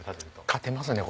勝てますね